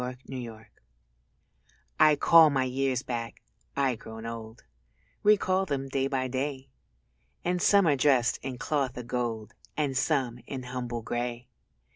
_ THE DAYS I call my years back, I, grown old, Recall them day by day; And some are dressed in cloth o' gold And some in humble grey.